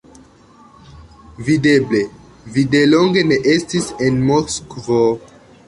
Videble, vi de longe ne estis en Moskvo.